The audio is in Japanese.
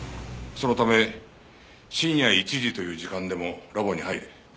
そのため深夜１時という時間でもラボに入れなおかつ